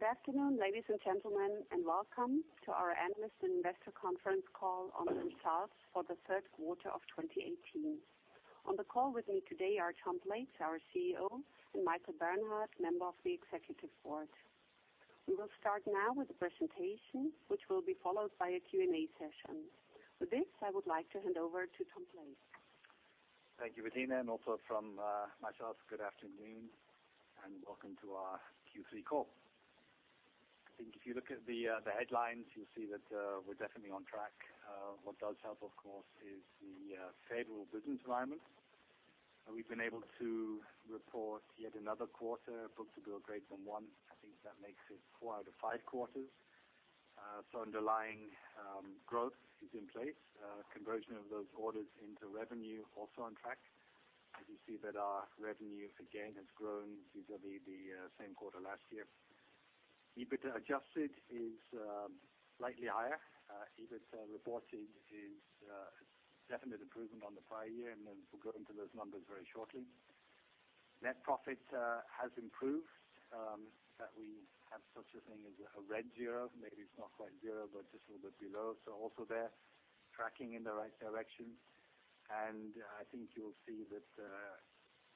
Good afternoon, ladies and gentlemen, and welcome to our analyst investor conference call on results for the third quarter of 2018. On the call with me today are Thomas Schulz, our CEO, and Michael Bernhardt, member of the Executive Board. We will start now with the presentation, which will be followed by a Q&A session. With this, I would like to hand over to Thomas Schulz. Thank you, Bettina, and also from myself, good afternoon and welcome to our Q3 call. If you look at the headlines, you'll see that we're definitely on track. What does help, of course, is the favorable business environment. We've been able to report yet another quarter book-to-bill greater than one. That makes it four out of five quarters. Underlying growth is in place. Conversion of those orders into revenue also on track. As you see that our revenue again has grown vis-à-vis the same quarter last year. EBITDA adjusted is slightly higher. EBIT reported is a definite improvement on the prior year, we'll go into those numbers very shortly. Net profit has improved, that we have such a thing as a red zero. Maybe it's not quite zero, but just a little bit below. Also there, tracking in the right direction. You'll see that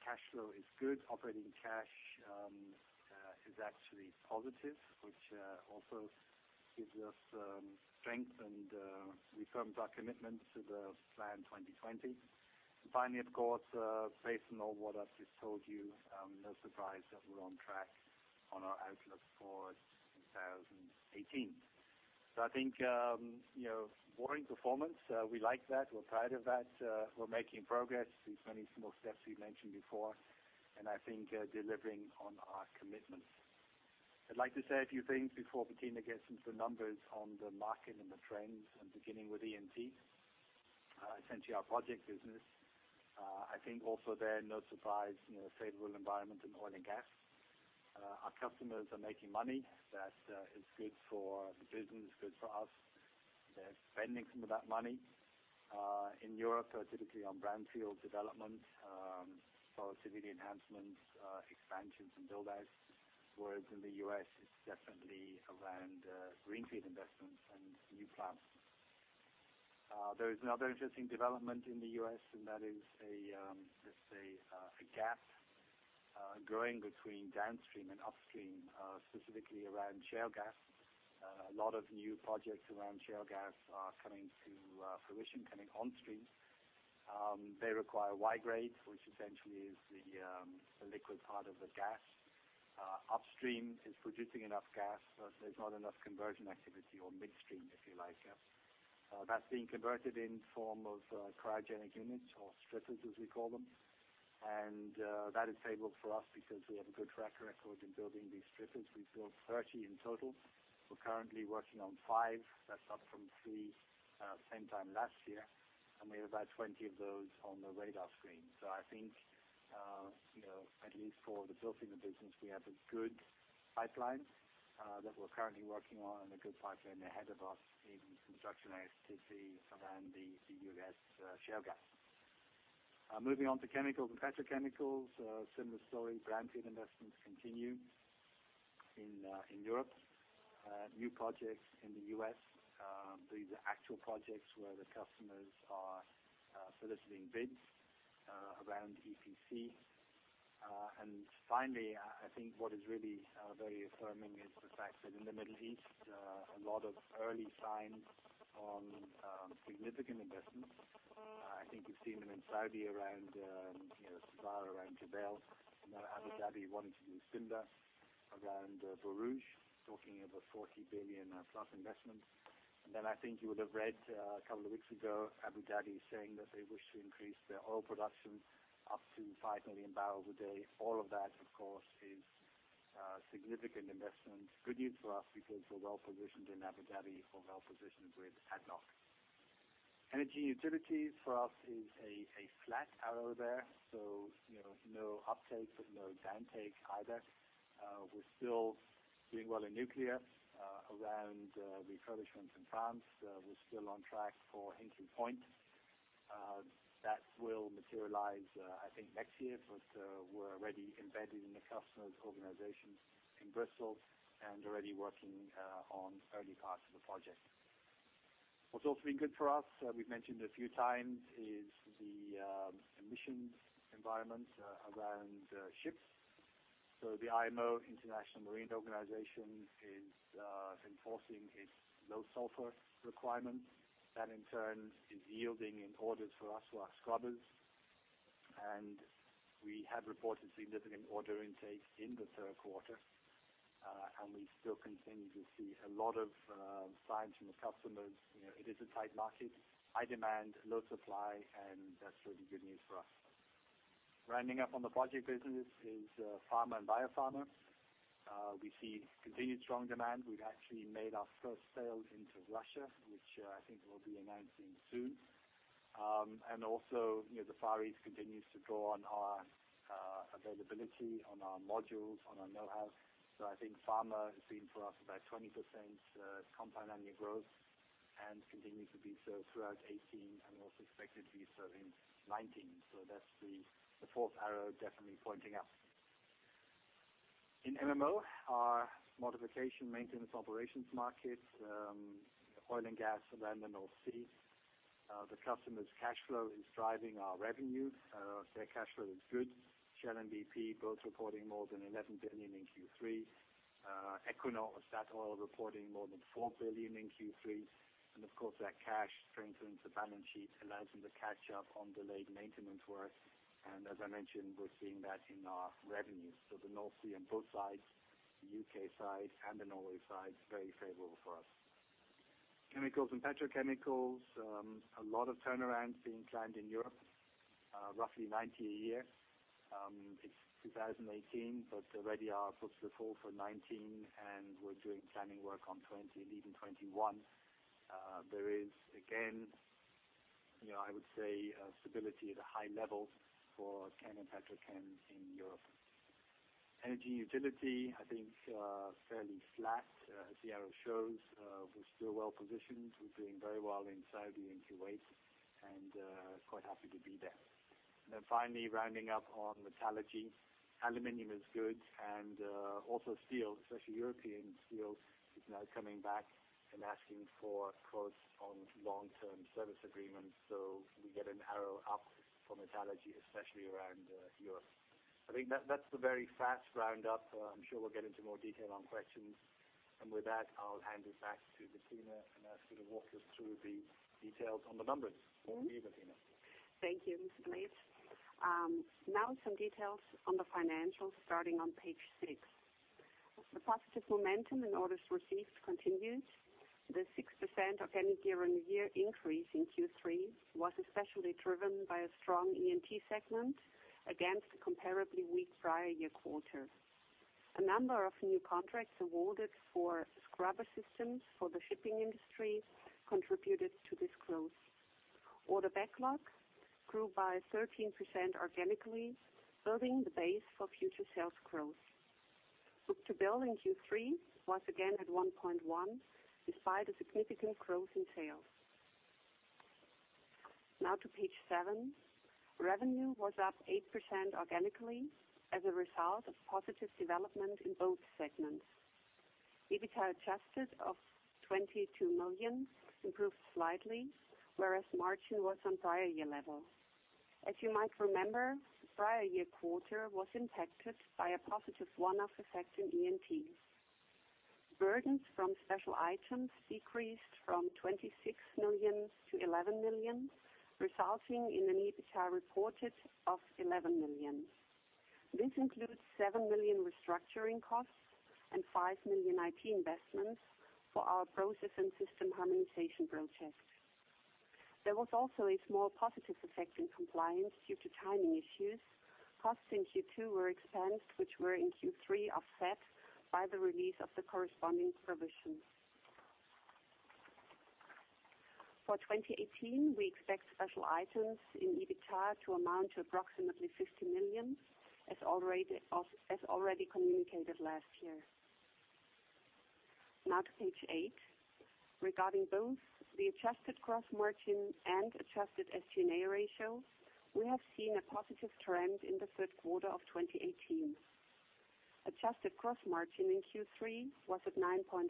cash flow is good. Operating cash is actually positive, which also gives us strength and reaffirms our commitment to the plan 2020. Of course, based on all what I've just told you, no surprise that we're on track on our outlook for 2018. Boring performance, we like that. We're proud of that. We're making progress. These many small steps we mentioned before, delivering on our commitments. I'd like to say a few things before Bettina gets into the numbers on the market and the trends, beginning with E&P, essentially our project business. No surprise, a favorable environment in oil and gas. Our customers are making money. That is good for the business, good for us. They're spending some of that money. In Europe, typically on brownfield development, facility enhancements, expansions, and build-outs. Whereas in the U.S., it's definitely around greenfield investments and new plants. There is another interesting development in the U.S., a gap growing between downstream and upstream, specifically around shale gas. A lot of new projects around shale gas are coming to fruition, coming onstream. They require Y-grades, which essentially is the liquid part of the gas. Upstream is producing enough gas, there's not enough conversion activity or midstream, if you like. That's being converted in form of cryogenic units or strippers, as we call them. That is favorable for us because we have a good track record in building these strippers. We've built 30 in total. We're currently working on five. That's up from three same time last year, we have about 20 of those on the radar screen. I think at least for the building the business, we have a good pipeline that we're currently working on and a good pipeline ahead of us in construction activity around the U.S. shale gas. Moving on to chemicals and petrochemicals, similar story. Greenfield investments continue in Europe. New projects in the U.S. These are actual projects where the customers are soliciting bids around EPC. Finally, I think what is really very affirming is the fact that in the Middle East, a lot of early signs on significant investments. I think you've seen them in Saudi around SABIC, around Jubail, and then Abu Dhabi wanting to do Sindalah, around Borouge, talking about 40 billion+ investments. I think you would have read a couple of weeks ago, Abu Dhabi saying that they wish to increase their oil production up to 5 million barrels a day. All of that, of course, is significant investment. Good news for us because we're well-positioned in Abu Dhabi. We're well-positioned with ADNOC. Energy utilities for us is a flat arrow there. No uptake, but no downtake either. We're still doing well in nuclear around refurbishments in France. We're still on track for Hinkley Point. That will materialize I think next year, but we're already embedded in the customer's organization in Bristol and already working on early parts of the project. What's also been good for us, we've mentioned a few times, is the emissions environment around ships. The IMO, International Maritime Organization, is enforcing its low sulfur requirements. That in turn is yielding in orders for us for our scrubbers. We have reported significant order intake in the 3rd quarter, and we still continue to see a lot of signs from the customers. It is a tight market, high demand, low supply, and that's really good news for us. Rounding up on the project business is pharma and biopharma. We see continued strong demand. We've actually made our first sale into Russia, which I think we'll be announcing soon. Also, the Far East continues to draw on our availability, on our modules, on our know-how. I think pharma has been for us about 20% compound annual growth and continuing to be so throughout 2018 and also expected to be so in 2019. That's the 4th arrow definitely pointing up. In MMO, our modification maintenance operations market, oil and gas, the London North Sea. The customer's cash flow is driving our revenue. Their cash flow is good. Shell and BP both reporting more than 11 billion in Q3. Equinor, Statoil reporting more than 4 billion in Q3. Of course, that cash strengthens the balance sheet, allows them to catch up on delayed maintenance work. As I mentioned, we're seeing that in our revenues. The North Sea on both sides, the U.K. side and the Norway side, very favorable for us. Chemicals and petrochemicals, a lot of turnarounds being planned in Europe, roughly 90 a year. It's 2018, but already are booked to the full for 2019, and we're doing planning work on 2020, leading 2021. There is, again, I would say, stability at a high level for chem and petrochem in Europe. Energy utility, I think, fairly flat, as the arrow shows. We're still well-positioned. We're doing very well in Saudi and Kuwait, and quite happy to be there. Finally rounding up on metallurgy. Aluminum is good. Also steel, especially European steel, is now coming back and asking for quotes on long-term service agreements. We get an arrow up for metallurgy, especially around Europe. I think that's the very fast roundup. I'm sure we'll get into more detail on questions. With that, I'll hand it back to Bettina and ask you to walk us through the details on the numbers. Over to you, Bettina. Thank you, Thomas. Now some details on the financials starting on page six. The positive momentum in orders received continues. The 6% organic year-on-year increase in Q3 was especially driven by a strong E&T segment against a comparably weak prior year quarter. A number of new contracts awarded for scrubber systems for the shipping industry contributed to this growth. Order backlog grew by 13% organically, building the base for future sales growth. Book-to-bill in Q3 was again at 1.1 despite a significant growth in sales. Now to page seven. Revenue was up 8% organically as a result of positive development in both segments. EBITDA adjusted of 22 million improved slightly, whereas margin was on prior year level. As you might remember, the prior year quarter was impacted by a positive one-off effect in E&T. Burdens from special items decreased from 26 million to 11 million, resulting in an EBITDA reported of 11 million. This includes 7 million restructuring costs and 5 million IT investments for our process and system harmonization projects. There was also a small positive effect in compliance due to timing issues. Costs in Q2 were expensed, which were in Q3 offset by the release of the corresponding provision. For 2018, we expect special items in EBITDA to amount to approximately 50 million, as already communicated last year. Now to page eight. Regarding both the adjusted gross margin and adjusted SG&A ratio, we have seen a positive trend in the third quarter of 2018. Adjusted gross margin in Q3 was at 9.5%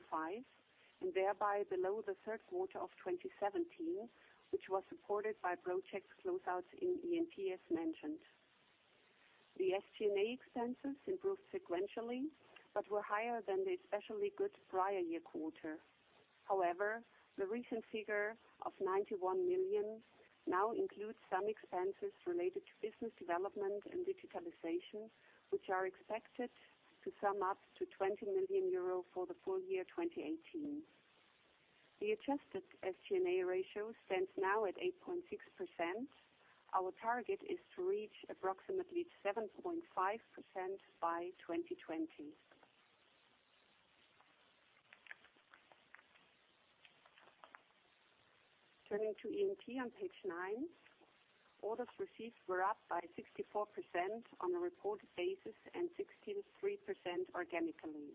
and thereby below the third quarter of 2017, which was supported by project closeouts in E&T, as mentioned. The SG&A expenses improved sequentially, were higher than the especially good prior year quarter. The recent figure of 91 million now includes some expenses related to business development and digitalization, which are expected to sum up to 20 million euro for the full year 2018. The adjusted SG&A ratio stands now at 8.6%. Our target is to reach approximately 7.5% by 2020. Turning to E&T on page nine. Orders received were up by 64% on a reported basis and 16.3% organically.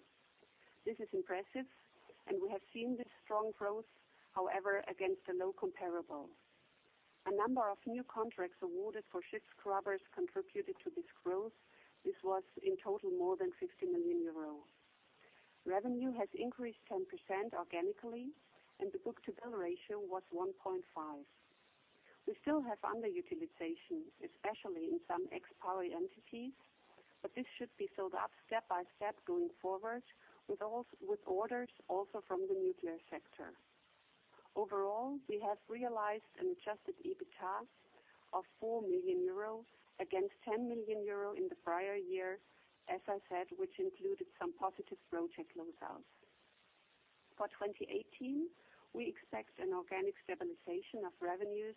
This is impressive. We have seen this strong growth, however, against a low comparable. A number of new contracts awarded for ship scrubbers contributed to this growth. This was in total more than 60 million euros. Revenue has increased 10% organically, and the book-to-bill ratio was 1.5. We still have underutilization, especially in some ex-power entities. This should be filled up step by step going forward with orders also from the nuclear sector. Overall, we have realized an adjusted EBITDA of 4 million euros against 10 million euro in the prior year, as I said, which included some positive project closeouts. For 2018, we expect an organic stabilization of revenues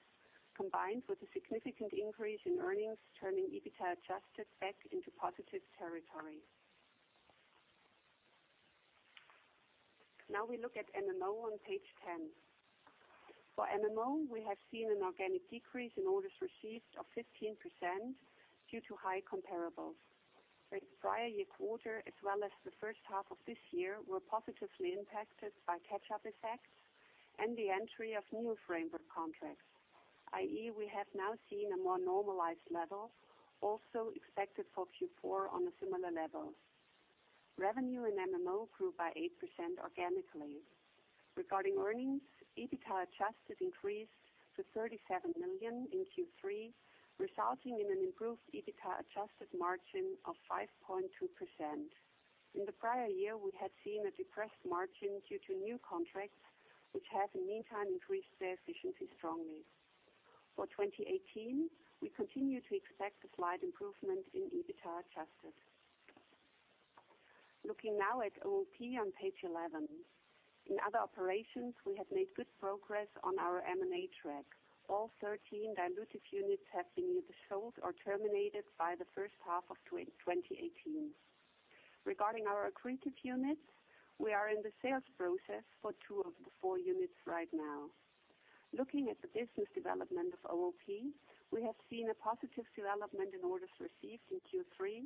combined with a significant increase in earnings, turning EBITDA adjusted back into positive territory. We look at MMO on page 10. For MMO, we have seen an organic decrease in orders received of 15% due to high comparables. The prior year quarter, as well as the first half of this year, were positively impacted by catch-up effects and the entry of new framework contracts, i.e., we have now seen a more normalized level also expected for Q4 on a similar level. Revenue in MMO grew by 8% organically. Regarding earnings, EBITDA adjusted increased to 37 million in Q3, resulting in an improved EBITDA adjusted margin of 5.2%. In the prior year, we had seen a depressed margin due to new contracts, which have in the meantime increased their efficiency strongly. For 2018, we continue to expect a slight improvement in EBITDA adjusted. Looking now at OOP on page 11. In other operations, we have made good progress on our M&A track. All 13 dilutive units have been either sold or terminated by the first half of 2018. Regarding our accretive units, we are in the sales process for two of the four units right now. Looking at the business development of OOP, we have seen a positive development in orders received in Q3,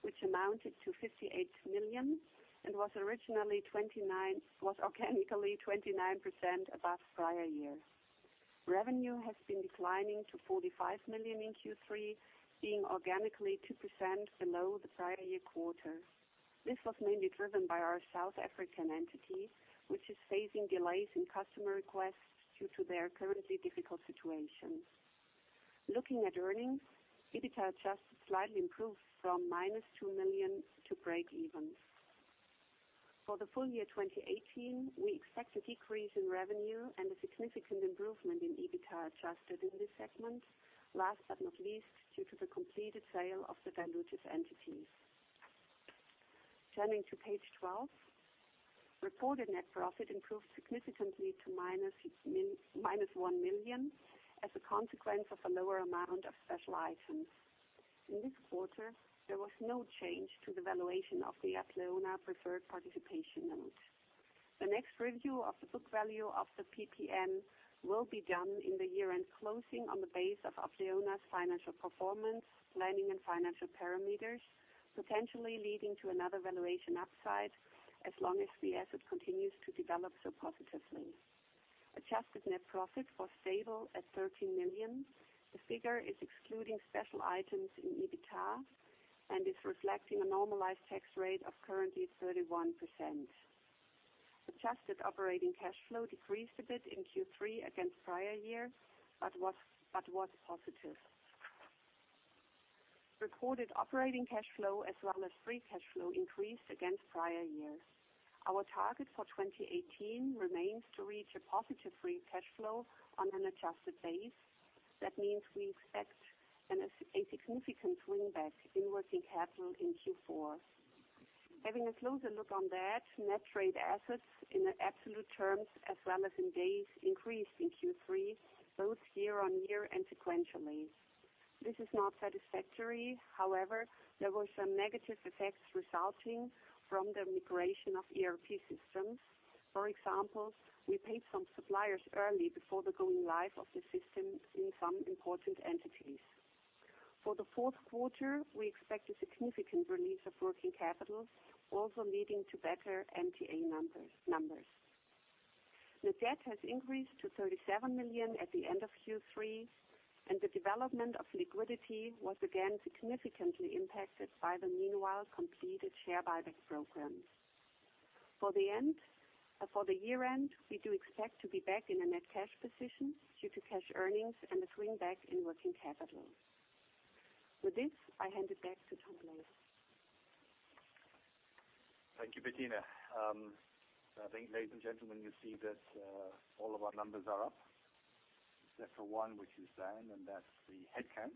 which amounted to 58 million and was organically 29% above prior year. Revenue has been declining to 45 million in Q3, being organically 2% below the prior year quarter. This was mainly driven by our South African entity, which is facing delays in customer requests due to their currently difficult situation. Looking at earnings, EBITDA adjusted slightly improved from minus 2 million to breakeven. For the full year 2018, we expect a decrease in revenue and a significant improvement in EBITDA adjusted in this segment, last but not least, due to the completed sale of the dilutive entities. Turning to page 12. Reported net profit improved significantly to minus 1 million as a consequence of a lower amount of special items. In this quarter, there was no change to the valuation of the Apleona Preferred Participation Note. The next review of the book value of the PPM will be done in the year-end closing on the base of Apleona's financial performance, planning, and financial parameters, potentially leading to another valuation upside as long as the asset continues to develop so positively. Adjusted net profit was stable at 13 million. The figure is excluding special items in EBITDA and is reflecting a normalized tax rate of currently 31%. Adjusted operating cash flow decreased a bit in Q3 against prior year. It was positive. Recorded operating cash flow as well as free cash flow increased against prior year. Our target for 2018 remains to reach a positive free cash flow on an adjusted base. We expect a significant win-back in working capital in Q4. Having a closer look on that, net trade assets in absolute terms as well as in days increased in Q3, both year-on-year and sequentially. This is not satisfactory. However, there were some negative effects resulting from the migration of ERP systems. For example, we paid some suppliers early before the go-live of the system in some important entities. For the fourth quarter, we expect a significant release of working capital, also leading to better MTA numbers. Net debt has increased to 37 million at the end of Q3, and the development of liquidity was again significantly impacted by the meanwhile completed share buyback program. For the year-end, we do expect to be back in a net cash position due to cash earnings and the swing back in working capital. With this, I hand it back to Thomas. Thank you, Bettina. I think, ladies and gentlemen, you see that all of our numbers are up except for one, which is then, that's the headcount.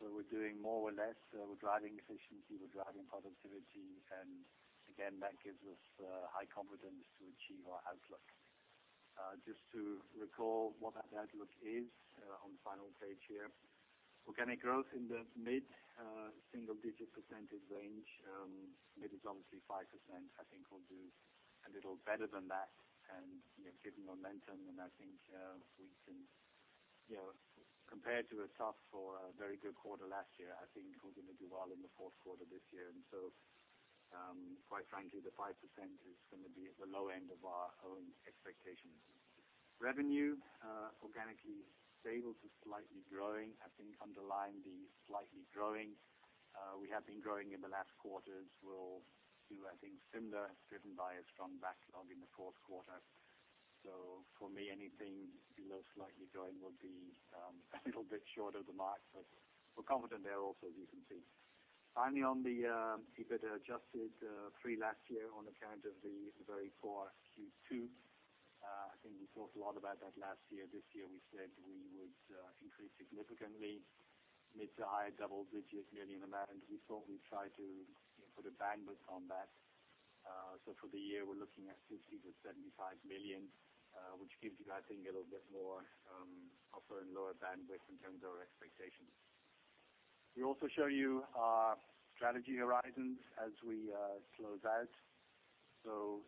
We're doing more with less. We're driving efficiency, we're driving productivity, that gives us high confidence to achieve our outlook. Just to recall what that outlook is on the final page here. Organic growth in the mid-single-digit % range. Mid is obviously 5%. I think we'll do a little better than that given momentum, I think we can, compared to a soft or a very good quarter last year, I think we're going to do well in the fourth quarter this year. Quite frankly, the 5% is going to be at the low end of our own expectations. Revenue organically stable to slightly growing. I think underlying the slightly growing. We have been growing in the last quarters. We'll do, I think, similar, driven by a strong backlog in the fourth quarter. For me, anything below slightly growing would be a little bit short of the mark, but we're confident there also decently. Finally, on the EBITDA adjusted three last year on account of the very poor Q2. I think we talked a lot about that last year. This year, we said we would increase significantly mid to high double digits, nearly in the mid. We thought we'd try to put a bandwidth on that. For the year, we're looking at 60 million to 75 million, which gives you, I think, a little bit more upper and lower bandwidth in terms of our expectations. We also show you our strategy horizons as we close out.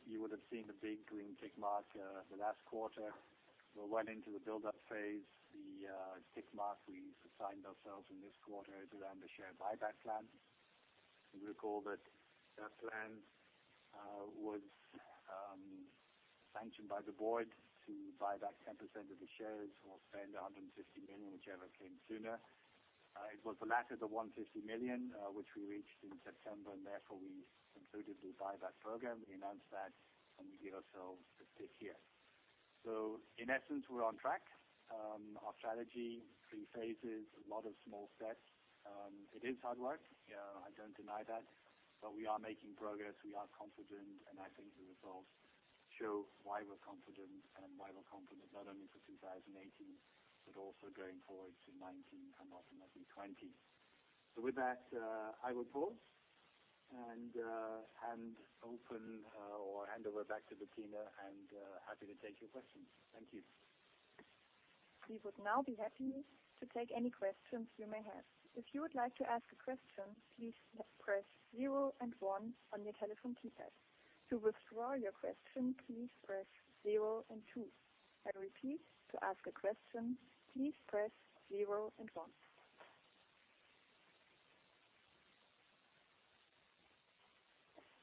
You would have seen the big green tick mark the last quarter. We went into the buildup phase. The tick mark we assigned ourselves in this quarter is around the share buyback plan. You recall that that plan was sanctioned by the board to buy back 10% of the shares or spend 150 million, whichever came sooner. It was the latter, the 150 million, which we reached in September, therefore, we concluded the buyback program. We announced that, we gave ourselves the tick here. In essence, we're on track. Our strategy, three phases, a lot of small steps. It is hard work. I don't deny that. We are making progress. We are confident, I think the results show why we're confident, why we're confident not only for 2018 but also going forward to 2019 and ultimately 2020. With that, I will pause and hand over back to Bettina, happy to take your questions. Thank you. We would now be happy to take any questions you may have. If you would like to ask a question, please press 0 and 1 on your telephone keypad. To withdraw your question, please press 0 and 2. I repeat, to ask a question, please press 0 and 1.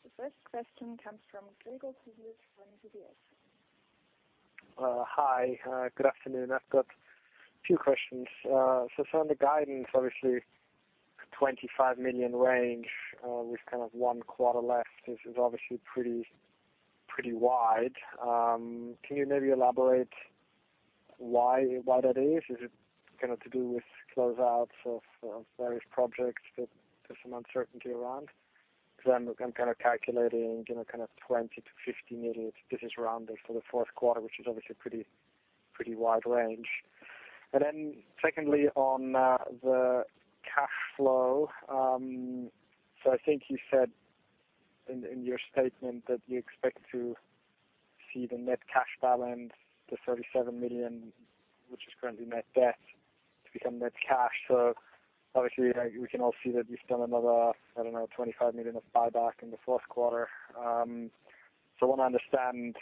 The first question comes from Gregor Kuglitsch from UBS. Hi, good afternoon. I've got two questions. From the guidance, obviously 25 million range with kind of one quarter left is obviously pretty wide. Can you maybe elaborate why that is? Is it to do with closeouts of various projects that there's some uncertainty around? Because I'm kind of calculating, kind of 20 million-50 million, if this is rounded for the fourth quarter, which is obviously a pretty wide range. Secondly, on the cash flow. I think you said in your statement that you expect to see the net cash balance, the 37 million, which is currently net debt, to become net cash. Obviously, we can all see that you've done another, I don't know, 25 million of buyback in the fourth quarter. I want to understand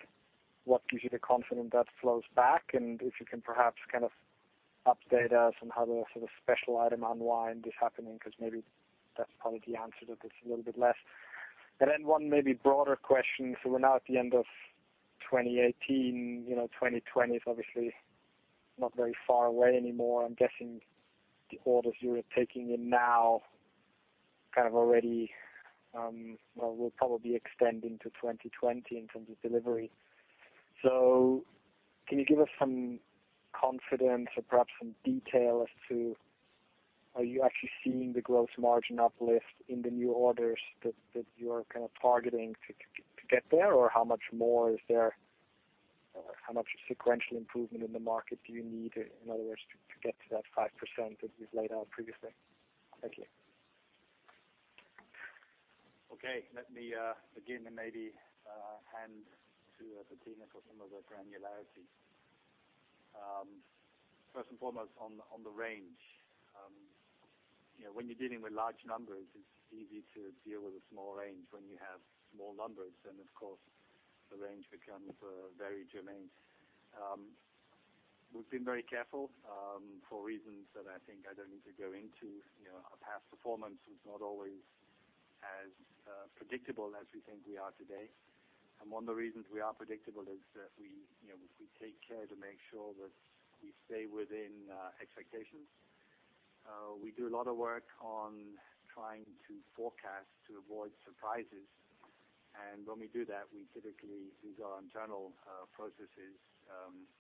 what gives you the confidence that flows back, and if you can perhaps kind of update us on how the sort of special item unwind is happening, because maybe that's probably the answer that it's a little bit less. One maybe broader question. We're now at the end of 2018. 2020 is obviously not very far away anymore. I'm guessing the orders you are taking in now kind of already will probably extend into 2020 in terms of delivery. Can you give us some confidence or perhaps some detail as to, are you actually seeing the growth margin uplift in the new orders that you're kind of targeting to get there? How much sequential improvement in the market do you need, in other words, to get to that 5% that you've laid out previously? Thank you. Okay. Let me begin and maybe hand to Bettina for some of the granularity. First and foremost, on the range. When you're dealing with large numbers, it's easy to deal with a small range. When you have small numbers, the range becomes very germane. We've been very careful for reasons that I think I don't need to go into. Our past performance was not always as predictable as we think we are today. One of the reasons we are predictable is that we take care to make sure that we stay within expectations. We do a lot of work on trying to forecast to avoid surprises. When we do that, we typically, these are internal processes,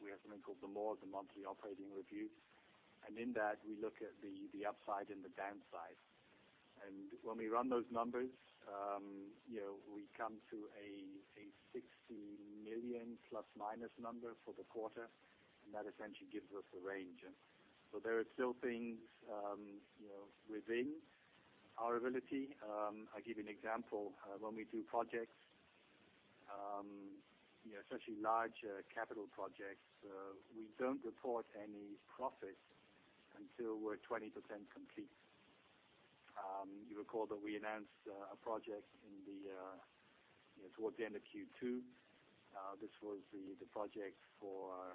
we have something called the MOR, the Monthly Operating Review. In that, we look at the upside and the downside. When we run those numbers, we come to a 60 million plus or minus number for the quarter, and that essentially gives us a range. There are still things within our ability. I'll give you an example. When we do projects, especially large capital projects, we don't report any profit until we're 20% complete. You recall that we announced a project towards the end of Q2. This was the project for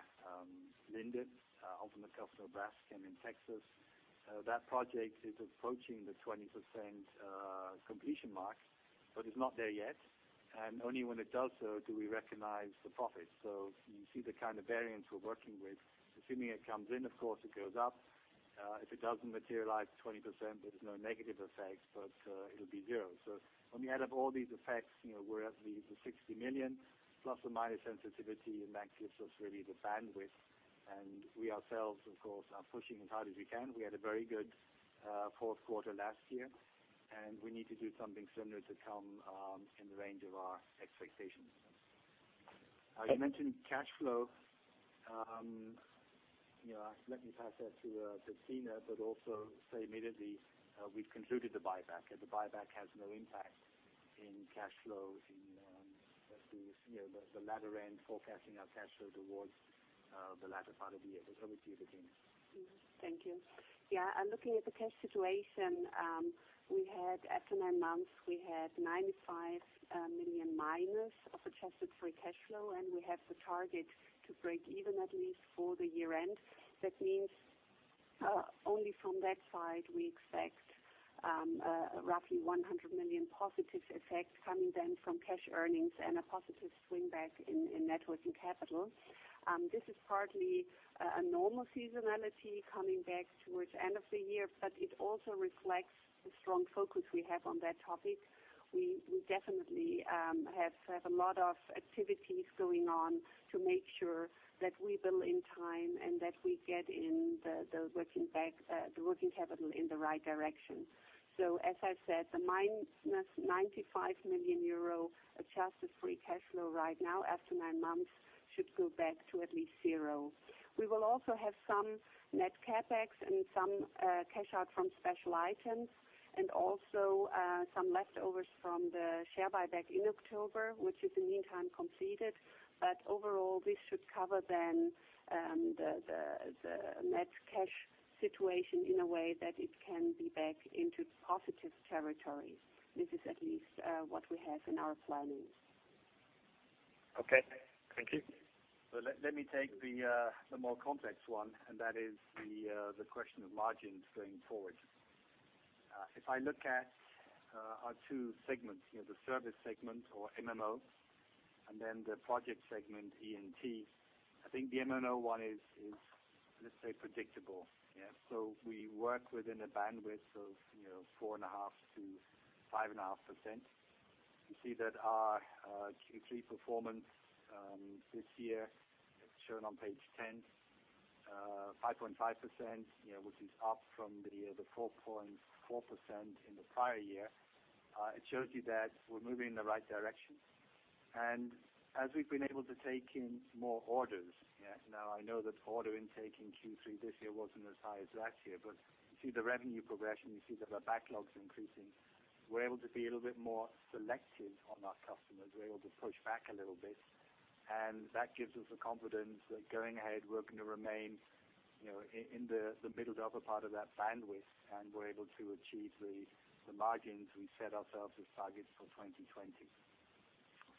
Linde out in McAllen, Nebraska, and in Texas. That project is approaching the 20% completion mark, but it's not there yet. Only when it does so do we recognize the profit. You see the kind of variance we're working with. Assuming it comes in, of course, it goes up. If it doesn't materialize 20%, there's no negative effect, but it'll be zero. When we add up all these effects, we're at the 60 million plus or minus sensitivity, and that gives us really the bandwidth. We ourselves, of course, are pushing as hard as we can. We had a very good fourth quarter last year, we need to do something similar to come in the range of our expectations. You mentioned cash flow. Let me pass that to Bettina, but also say immediately, we've concluded the buyback, the buyback has no impact in cash flow in The latter end forecasting our cash flow towards the latter part of the year. Over to you, Bettina. Thank you. Yeah, looking at the cash situation, we had after nine months, we had 95 million minus of adjusted free cash flow, and we have the target to break even at least for the year-end. That means only from that side, we expect roughly 100 million positive effect coming then from cash earnings and a positive swing back in net working capital. This is partly a normal seasonality coming back towards end of the year, but it also reflects the strong focus we have on that topic. We definitely have to have a lot of activities going on to make sure that we bill in time and that we get in the working capital in the right direction. As I said, the minus 95 million euro adjusted free cash flow right now after nine months should go back to at least zero. We will also have some net CapEx and some cash out from special items and also some leftovers from the share buyback in October, which is in the meantime completed. Overall, this should cover then the net cash situation in a way that it can be back into positive territory. This is at least what we have in our planning. Okay. Thank you. Let me take the more complex one, that is the question of margins going forward. If I look at our two segments, the service segment or MMO, and then the project segment, E&T, I think the MMO one is, let's say, predictable. We work within a bandwidth of 4.5%-5.5%. You see that our Q3 performance this year, it's shown on page 10, 5.5%, which is up from the 4.4% in the prior year. It shows you that we're moving in the right direction. As we've been able to take in more orders. I know that order intake in Q3 this year wasn't as high as last year, but you see the revenue progression, you see that our backlog's increasing. We're able to be a little bit more selective on our customers. We're able to push back a little bit, that gives us the confidence that going ahead, we're going to remain in the middle to upper part of that bandwidth, we're able to achieve the margins we set ourselves as targets for 2020.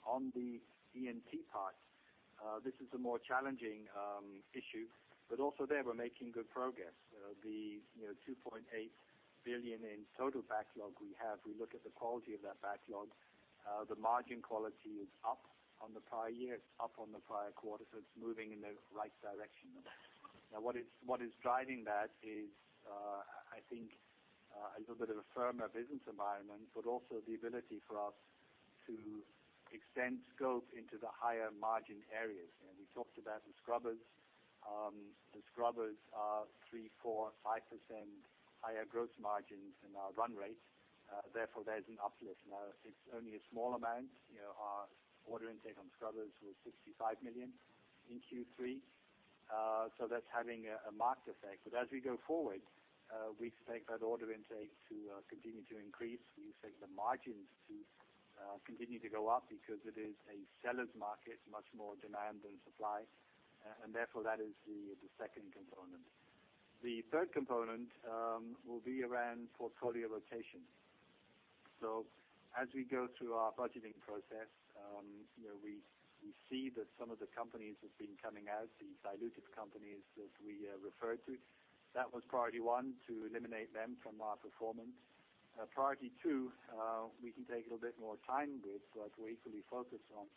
On the E&T part, this is a more challenging issue, also there, we're making good progress. The 2.8 billion in total backlog we have, we look at the quality of that backlog. The margin quality is up on the prior year. It's up on the prior quarter, it's moving in the right direction. What is driving that is, I think, a little bit of a firmer business environment, also the ability for us to extend scope into the higher margin areas. We talked about the scrubbers. The scrubbers are 3%, 4%, 5% higher gross margins in our run rate. There's an uplift. It's only a small amount. Our order intake on scrubbers was 65 million in Q3. That's having a marked effect. As we go forward, we expect that order intake to continue to increase. We expect the margins to continue to go up because it is a seller's market, much more demand than supply, therefore that is the second component. The third component will be around portfolio rotation. As we go through our budgeting process, we see that some of the companies have been coming out, the dilutive companies that we referred to. That was priority one, to eliminate them from our performance. Priority two, we can take a little bit more time with, we're equally focused on,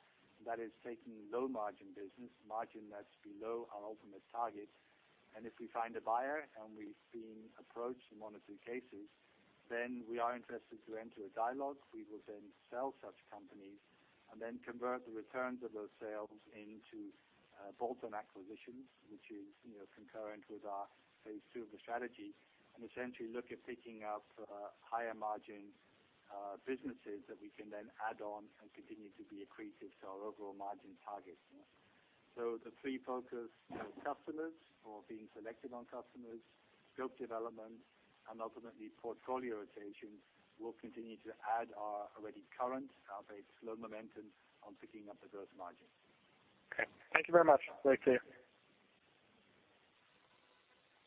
that is taking low margin business, margin that's below our ultimate target. If we find a buyer we've been approached in one or two cases, we are interested to enter a dialogue. We will then sell such companies then convert the returns of those sales into bolt-on acquisitions, which is concurrent with our phase 2 of the strategy, essentially look at picking up higher margin businesses that we can then add on and continue to be accretive to our overall margin targets. The three focus: customers or being selective on customers, scope development, and ultimately portfolio rotations will continue to add our already current, our very slow momentum on picking up the gross margin. Okay. Thank you very much. Very clear.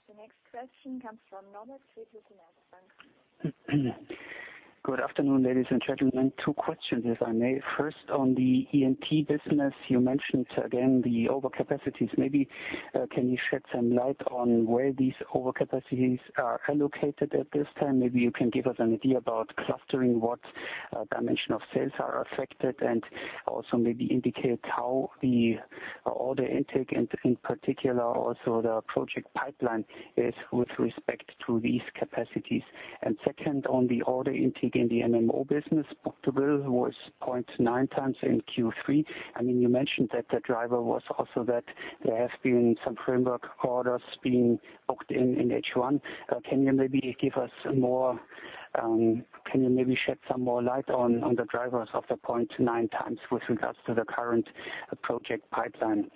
The next question comes from Norbert with Deutsche Bank. Good afternoon, ladies and gentlemen. Two questions, if I may. First, on the E&T business, you mentioned again the overcapacities. Maybe can you shed some light on where these overcapacities are allocated at this time? Maybe you can give us an idea about clustering, what dimension of sales are affected, and also maybe indicate how the order intake and in particular also the project pipeline is with respect to these capacities. Second, on the order intake in the MMO business, book-to-bill was 0.9 times in Q3. You mentioned that the driver was also that there have been some framework orders being booked in H1. Can you maybe shed some more light on the drivers of the 0.9 times with regards to the current project pipeline?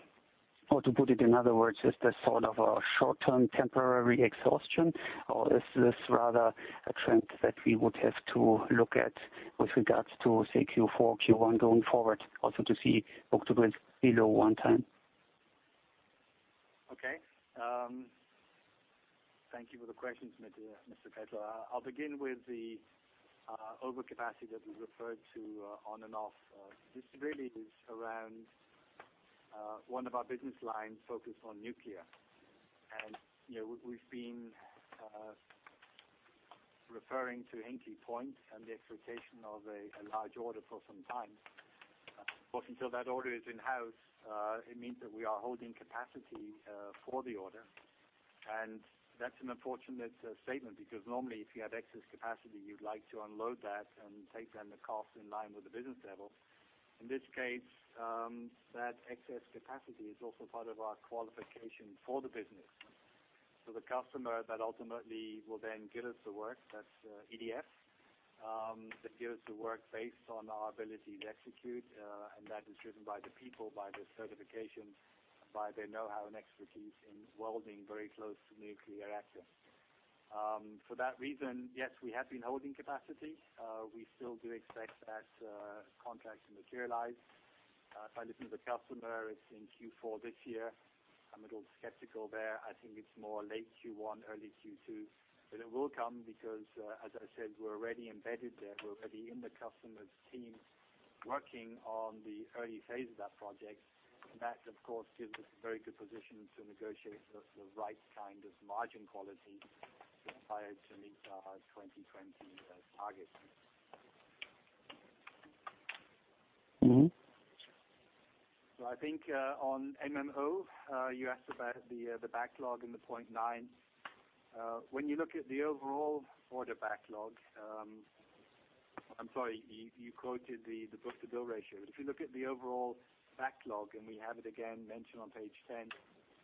To put it in other words, is this sort of a short-term temporary exhaustion, or is this rather a trend that we would have to look at with regards to, say, Q4, Q1 going forward also to see book-to-bill below one time? Okay. Thank you for the question, Norbert Reis. I will begin with the overcapacity that we referred to on and off. This really is around one of our business lines focused on nuclear. We have been referring to Hinkley Point and the expectation of a large order for some time. Until that order is in-house, it means that we are holding capacity for the order. That is an unfortunate statement because normally if you have excess capacity, you would like to unload that and take the cost in line with the business level. In this case, that excess capacity is also part of our qualification for the business. The customer that ultimately will then give us the work, that is EDF, that gives the work based on our ability to execute and that is driven by the people, by the certification, by their know-how and expertise in welding very close to nuclear reactors. For that reason, yes, we have been holding capacity. We still do expect that contract to materialize. If I listen to the customer, it is in Q4 this year. I am a little skeptical there. I think it is more late Q1, early Q2, but it will come because, as I said, we are already embedded there. We are already in the customer's team working on the early phase of that project. That, of course, gives us a very good position to negotiate the right kind of margin quality required to meet our 2020 targets. I think, on MMO, you asked about the backlog and the 0.9. When you look at the overall order backlog, I am sorry, you quoted the book-to-bill ratio. If you look at the overall backlog, and we have it again mentioned on page 10,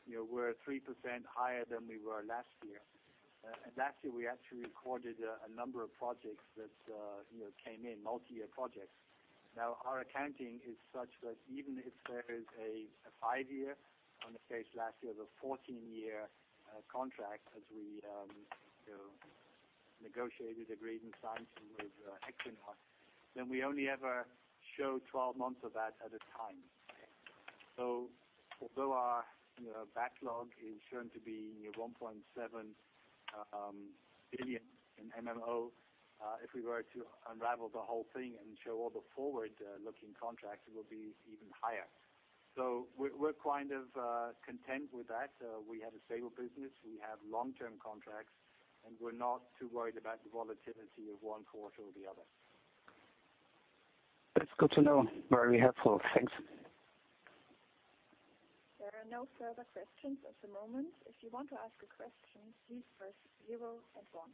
we are 3% higher than we were last year. Last year, we actually recorded a number of projects that came in, multi-year projects. Our accounting is such that even if there is a five-year on the page last year, the 14-year contract, as we negotiated, agreed, and signed with Equinor, we only ever show 12 months of that at a time. Although our backlog is shown to be 1.7 billion in MMO, if we were to unravel the whole thing and show all the forward-looking contracts, it will be even higher. We are kind of content with that. We have a stable business, we have long-term contracts, and we are not too worried about the volatility of one quarter or the other. That's good to know. Very helpful. Thanks. There are no further questions at the moment. If you want to ask a question, please press zero and one.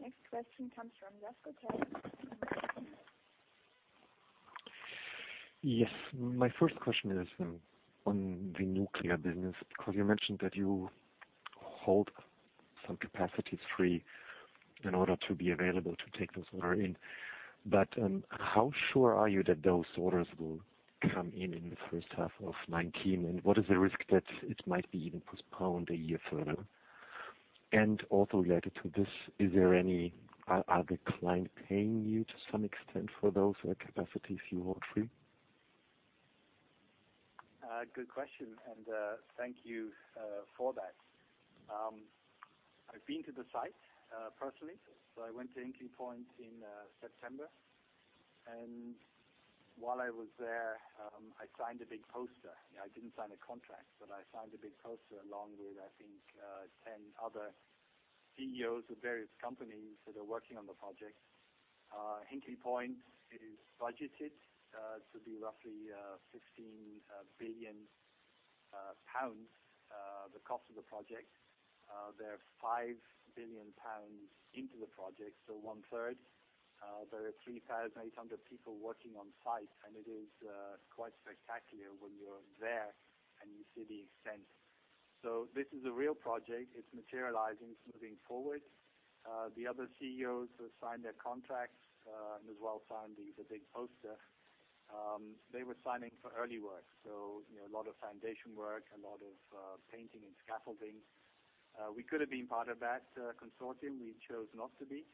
Next question comes from Jasmin Dentz. Yes. My first question is on the nuclear business, because you mentioned that you hold some capacities free in order to be available to take those order in. How sure are you that those orders will come in in the first half of 2019? What is the risk that it might be even postponed a year further? Also related to this, are the client paying you to some extent for those capacities you hold free? Good question, and thank you for that. I've been to the site, personally. I went to Hinkley Point in September, and while I was there, I signed a big poster. I didn't sign a contract, but I signed a big poster along with, I think, 10 other CEOs of various companies that are working on the project. Hinkley Point is budgeted to be roughly 16 billion pounds, the cost of the project. There are 5 billion pounds into the project, so one third. There are 3,800 people working on site, and it is quite spectacular when you're there and you see the extent. This is a real project. It's materializing. It's moving forward. The other CEOs have signed their contracts, and as well signing the big poster. They were signing for early work, so a lot of foundation work, a lot of painting and scaffolding. We could have been part of that consortium. We chose not to be.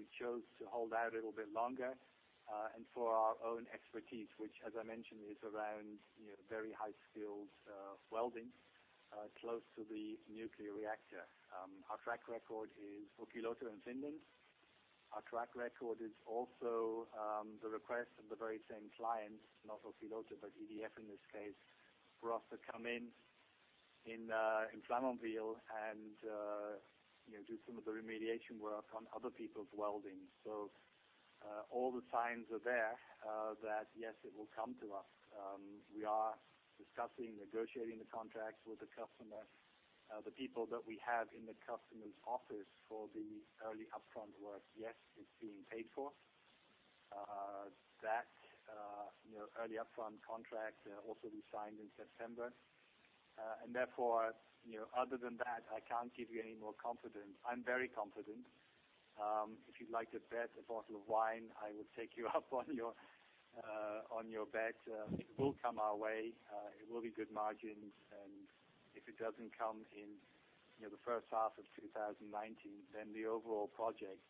We chose to hold out a little bit longer, and for our own expertise, which as I mentioned, is around very high-skilled welding, close to the nuclear reactor. Our track record is Olkiluoto in Finland. Our track record is also the request of the very same client, not Olkiluoto, but EDF in this case, for us to come in Flamanville and do some of the remediation work on other people's welding. All the signs are there that yes, it will come to us. We are discussing, negotiating the contracts with the customer. The people that we have in the customer's office for the early upfront work, yes, it's being paid for. That early upfront contract also we signed in September. Therefore, other than that, I can't give you any more confidence. I'm very confident. If you'd like to bet a bottle of wine, I will take you up on your bet. It will come our way. It will be good margins. If it doesn't come in the first half of 2019, then the overall project,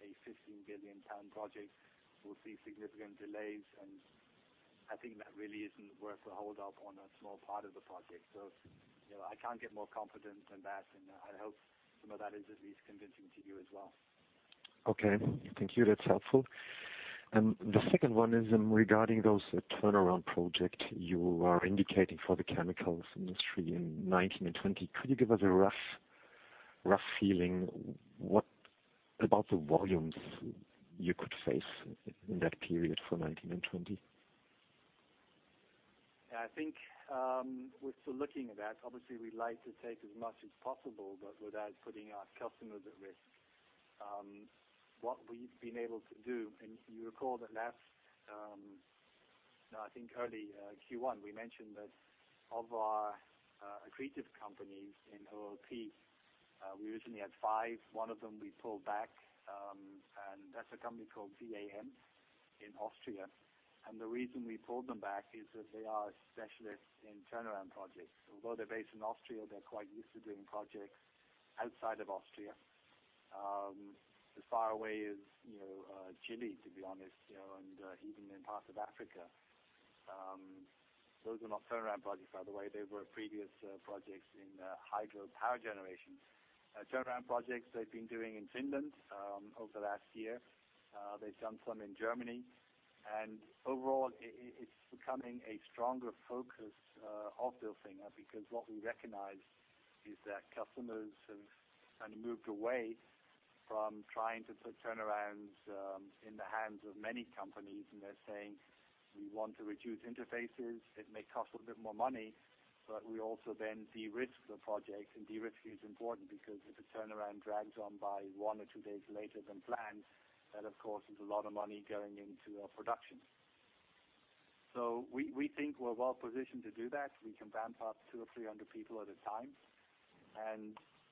a 15 billion pound project, will see significant delays. I think that really isn't worth the hold-up on a small part of the project. I can't get more confident than that, and I hope some of that is at least convincing to you as well. Okay. Thank you. That's helpful. The second one is regarding those turnaround project you are indicating for the chemicals industry in 2019 and 2020. Could you give us a rough feeling? What about the volumes you could face in that period for 2019 and 2020? Yeah, I think we're still looking at that. Obviously, we'd like to take as much as possible, but without putting our customers at risk. What we've been able to do, you recall that last, I think early Q1, we mentioned that of our accretive companies in OOP, we originally had five. One of them we pulled back, and that's a company called VAM in Austria. The reason we pulled them back is that they are a specialist in turnaround projects. Although they're based in Austria, they're quite used to doing projects outside of Austria, as far away as Chile, to be honest, and even in parts of Africa. Those are not turnaround projects, by the way. They were previous projects in hydro power generation. Turnaround projects they've been doing in Finland over last year. They've done some in Germany. Overall, it's becoming a stronger focus of Bilfinger because what we recognize is that customers have moved away from trying to put turnarounds in the hands of many companies, and they're saying, "We want to reduce interfaces. It may cost a little bit more money, but we also then de-risk the project." De-risking is important because if a turnaround drags on by one or two days later than planned, that, of course, is a lot of money going into our production. We think we're well-positioned to do that. We can ramp up 200 or 300 people at a time.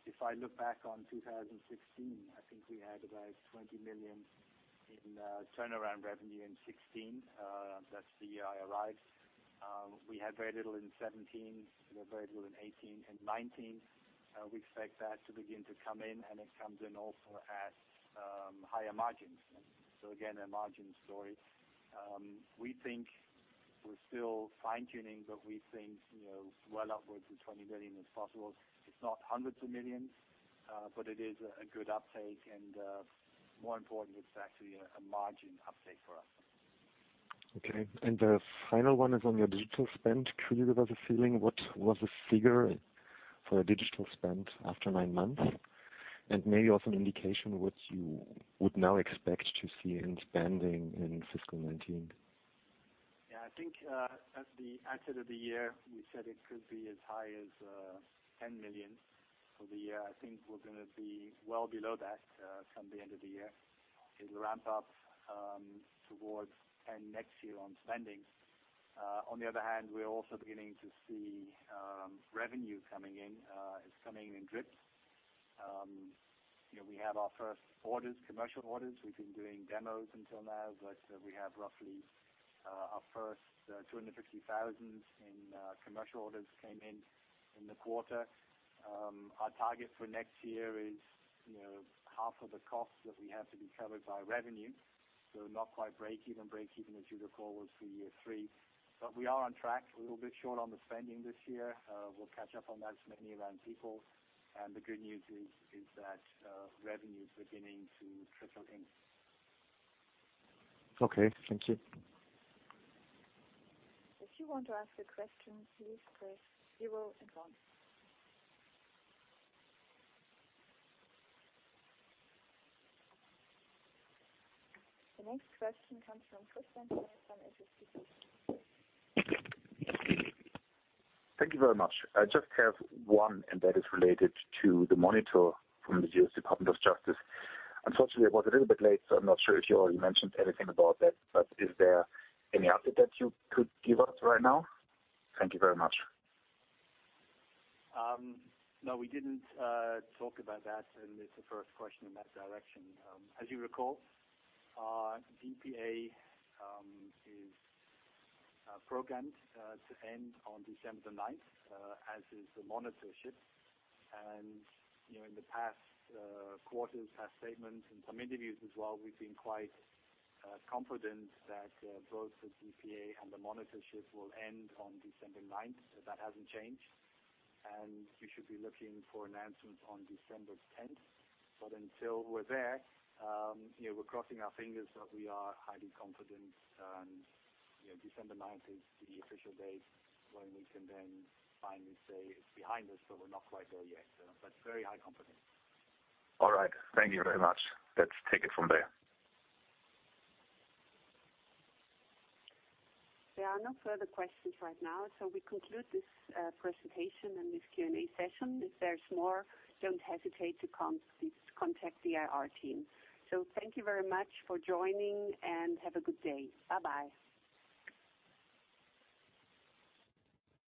If I look back on 2016, I think we had about 20 million in turnaround revenue in 2016. That's the year I arrived. We had very little in 2017. We had very little in 2018 and 2019. We expect that to begin to come in, and it comes in also at higher margins. Again, a margin story. We're still fine-tuning, but we think well upwards of 20 million is possible. It's not hundreds of millions, but it is a good uptake, and more important, it's actually a margin uptake for us. Okay. The final one is on your digital spend. Could you give us a feeling what was the figure for a digital spend after nine months? Maybe also an indication what you would now expect to see in spending in fiscal 2019. Yeah, I think at the outset of the year, we said it could be as high as 10 million for the year. I think we're going to be well below that come the end of the year. It'll ramp up towards EUR 10 million next year on spending. On the other hand, we are also beginning to see revenue coming in. It's coming in drips. We have our first orders, commercial orders. We've been doing demos until now, but we have roughly our first 250,000 in commercial orders came in in the quarter. Our target for next year is half of the cost that we have to be covered by revenue. Not quite breakeven. Breakeven, as you recall, was for year three. We are on track a little bit short on the spending this year. We'll catch up on that as we bring around people. The good news is that revenue is beginning to trickle in. Okay. Thank you. If you want to ask a question, please press zero and one. The next question comes from Christian. Thank you very much. I just have one, and that is related to the monitor from the U.S. Department of Justice. Unfortunately, I was a little bit late, so I'm not sure if you already mentioned anything about that. Is there any update that you could give us right now? Thank you very much. No, we didn't talk about that. It's the first question in that direction. As you recall, DPA is programmed to end on December the 9th, as is the monitorship. In the past quarters, past statements, and some interviews as well, we've been quite confident that both the DPA and the monitorship will end on December 9th. That hasn't changed. You should be looking for announcements on December 10th. Until we're there, we're crossing our fingers, but we are highly confident. December 9th is the official date when we can then finally say it's behind us, but we're not quite there yet. Very high confidence. All right. Thank you very much. Let's take it from there. There are no further questions right now. We conclude this presentation and this Q&A session. If there's more, don't hesitate to contact the IR team. Thank you very much for joining, and have a good day. Bye-bye.